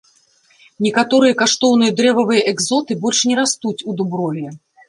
Некаторыя каштоўныя дрэвавыя экзоты больш не растуць у дуброве.